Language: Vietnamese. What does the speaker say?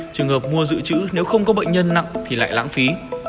trường hợp mua dự trữ nếu không có bệnh nhân nặng thì lại lãng phí